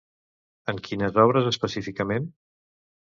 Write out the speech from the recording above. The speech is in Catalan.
En quines obres específicament?